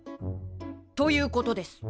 ということです。